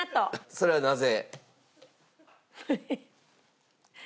それはなぜ？